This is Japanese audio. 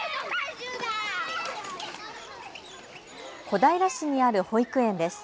小平市にある保育園です。